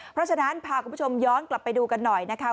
เพราะฉะนั้นพาคุณผู้ชมย้อนกลับไปดูกันหน่อยนะคะ